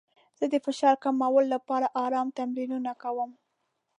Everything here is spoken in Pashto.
زه د فشار کمولو لپاره ارام تمرینونه کوم.